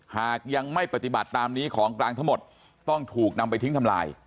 หากยังไม่ปฏิบัติตามนี้ของกลางทั้งหมดต้องถูกนำไปทิ้งทำลาย